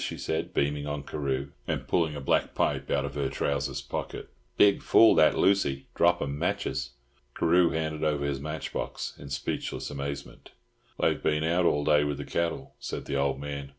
she said, beaming on Carew, and pulling a black pipe out of her trousers' pocket. "Big fool that Lucy, drop 'em matches." Carew handed over his match box in speechless amazement. "They've been out all day with the cattle," said the old man.